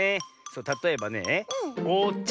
たとえばね「おちゃ」